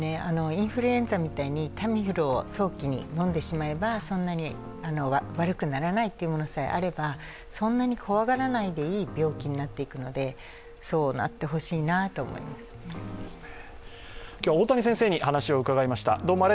インフルエンザみたいにタミフルを早期に飲んでしまえばそんなに悪くならないというものさえあれば、そんなに怖がらないでいい病気になっていくのでそうなってほしいなと思いますね。